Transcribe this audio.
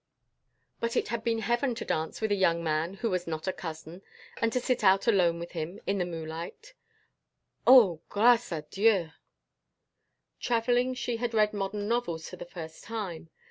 But it had been heaven to dance with a young man who was not a cousin; and to sit out alone with him in the moonlight, Oh, grace à Dieu! Traveling she had read modern novels for the first time.